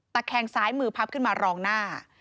แคงซ้ายมือพับขึ้นมารองหน้า